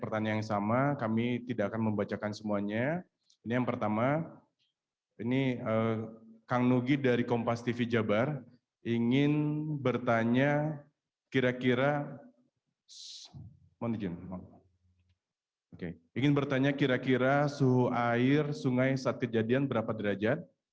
dan kami berkomunikasi dengan keluarga dan kedutaan